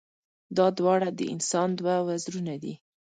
دا دواړه د انسان دوه وزرونه دي.